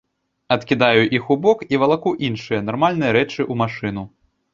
Адкідаю іх у бок і валаку іншыя, нармальныя рэчы ў машыну.